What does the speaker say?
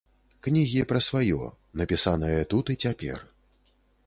Кнігі пра сваё, напісанае тут і цяпер.